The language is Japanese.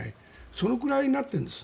そのくらいになってるんです。